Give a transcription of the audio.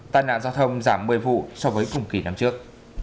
tai nạn giao thông giảm một mươi vụ so với cùng kỳ năm trước